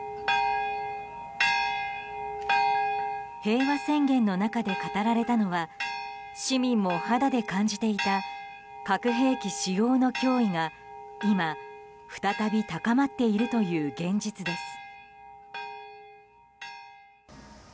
平和宣言の中で語られたのは市民も肌で感じていた核兵器使用の脅威が今、再び高まっているという現実です。